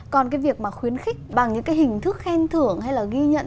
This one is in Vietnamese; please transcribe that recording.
còn cái việc mà khuyến khích bằng những cái hình thức khen thưởng hay là ghi nhận